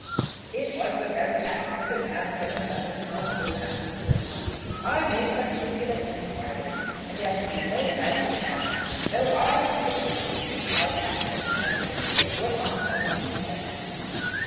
"It was the very best bit of land for the purpose in all Bullhampton," said the Marquis. "I made particular inquiry, and there can be no doubt of that. Though I particularly dislike that Mr. Fenwick, it was not done to injure him."